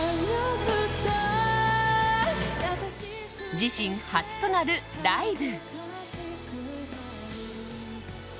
自身初となるライブ。